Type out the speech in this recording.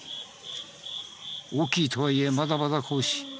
大きいとはいえまだまだ子牛。